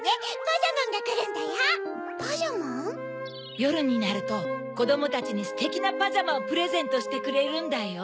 よるになるとこどもたちにステキなパジャマをプレゼントしてくれるんだよ。